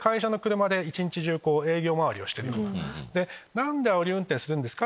何であおり運転するんですか？